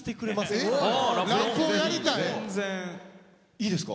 いいですか？